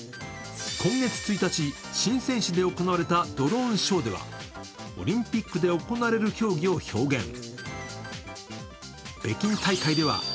今月１日、深セン市で行われたドローンショーではオリンピックで行われる競技を表現。